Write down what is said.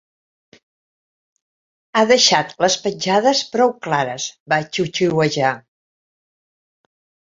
"Ha deixat les petjades prou clares", va xiuxiuejar.